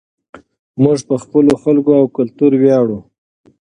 موږ په خپلو خلکو او کلتور ویاړو.